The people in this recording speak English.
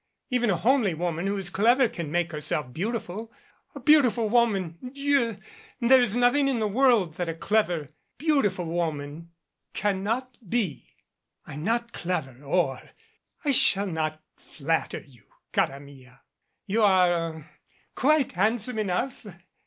Even a homely woman who is clever can make herself beautiful, a beautiful woman Dieul There is nothing in the world that a clever, beauti ful woman cannot be." "I'm not clever or " "I shall not flatter you, cara mia. You are er quite handsome enough.